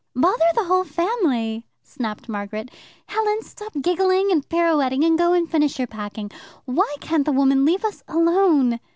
"Bother the whole family!" snapped Margaret. "Helen, stop giggling and pirouetting, and go and finish your packing. Why can't the woman leave us alone?"